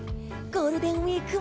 ゴールデンウィーク